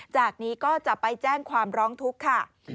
จากนี้ก็จะไปแจ้งความร้องทุกข์ค่ะ